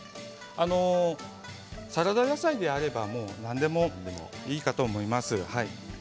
サラダ野菜であれば何でもいいかと思います。